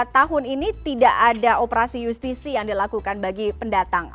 tahun ini tidak ada operasi justisi yang dilakukan bagi pendatang